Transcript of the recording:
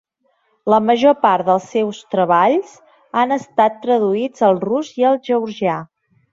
La major part dels seus treballs han estat traduïts al rus i al georgià.